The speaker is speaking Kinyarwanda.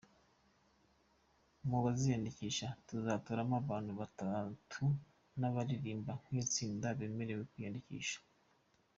Mu baziyandikisha tuzatoramo abantu batatu n’abaririmba nk’itsinda bemerewe kwiyandikisha.